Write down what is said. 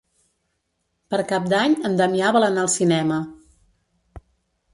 Per Cap d'Any en Damià vol anar al cinema.